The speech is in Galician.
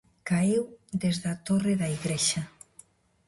Caeu desde a torre da igrexa.